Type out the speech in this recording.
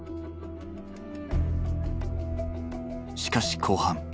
しかし後半。